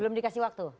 belum dikasih waktu